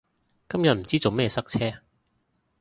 今日唔知做咩塞車